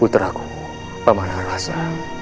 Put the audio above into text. puteraku pamanah rasa